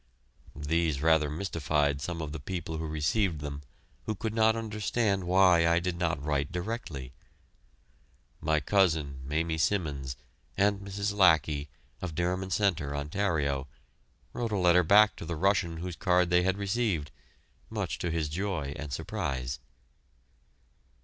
These rather mystified some of the people who received them, who could not understand why I did not write directly. My cousin, Mamie Simmons, and Mrs. Lackie, of Dereham Centre, Ontario, wrote a letter back to the Russian whose card they had received, much to his joy and surprise.